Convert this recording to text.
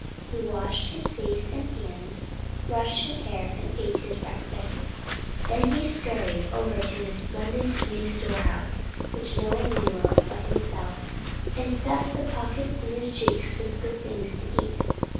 He washed his face and hands, brushed his hair, and ate his breakfast. Then he scurried over to his splendid new storehouse, which no one knew of but himself, and stuffed the pockets in his cheeks with good things to eat.